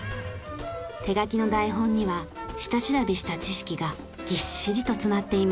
手書きの台本には下調べした知識がぎっしりと詰まっています。